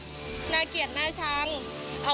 ควิทยาลัยเชียร์สวัสดีครับ